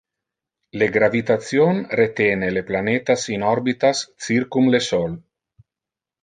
Le gravitation retene le planetas in orbitas circum le Sol.